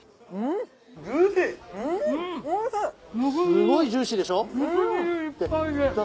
すごいジューシーでしょ？